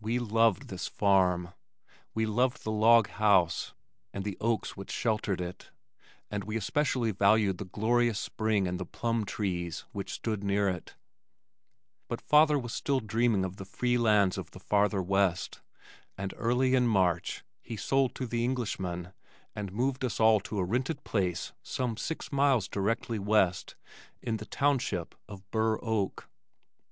We loved this farm. We loved the log house, and the oaks which sheltered it, and we especially valued the glorious spring and the plum trees which stood near it, but father was still dreaming of the free lands of the farther west, and early in March he sold to the Englishman and moved us all to a rented place some six miles directly west, in the township of Burr Oak.